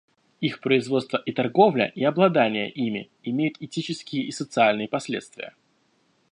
Их производство и торговля и обладание ими имеют этические и социальные последствия.